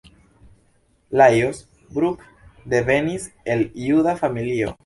Lajos Bruck devenis el juda familio.